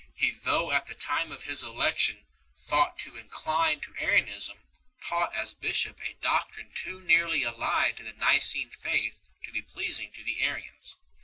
He, though at the time of his election thought to incline to Arianism, taught as bishop a doctrine too nearly allied to the Nicene Faith to be pleasing to the Arians.